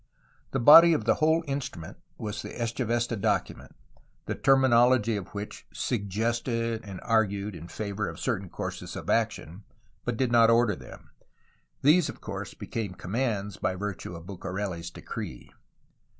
The body of the whole instrument was the Echeveste document, the terminology of which suggested and argued in favor of certain courses of action but did not order them; these of course became commands by virtue of Bucareli's decree.